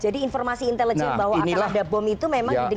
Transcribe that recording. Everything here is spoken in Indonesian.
jadi informasi intelijen bahwa akan ada bom itu memang di dengar juga oleh